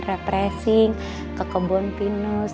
repressing ke kebun pinus